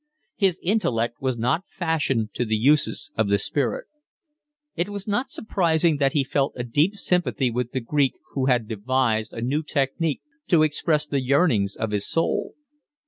His intellect was not fashioned to the uses of the spirit. It was not surprising that he felt a deep sympathy with the Greek who had devised a new technique to express the yearnings of his soul.